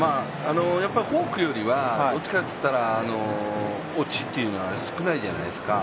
フォークよりは、どっちかといったら落ちというのは少ないじゃないですか。